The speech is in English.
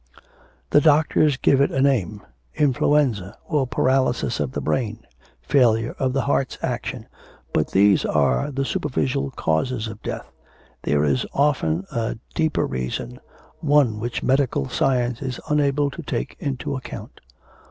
The doctors give it a name: influenza, or paralysis of the brain, failure of the heart's action, but these are the superficial causes of death. There is often a deeper reason: one which medical science is unable to take into account.'